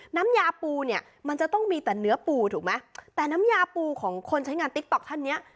น้ำยาปูเนี่ยมันจะต้องมีแต่เนื้อปูถูกไหมแต่น้ำยาปูของคนใช้งานติ๊กต๊อกท่านเนี้ย